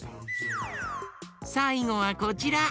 さいごはこちら。